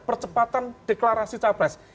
percepatan deklarasi capres